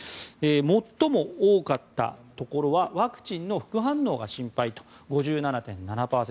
最も多かったところはワクチンの副反応が心配５７．７％。